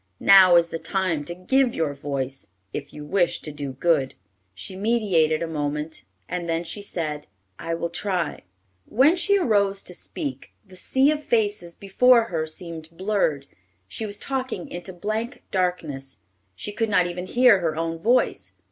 Now is the time to give your voice, if you wish to do good." She meditated a moment, and then she said, "I will try." When she arose to speak, the sea of faces before her seemed blurred. She was talking into blank darkness. She could not even hear her own voice.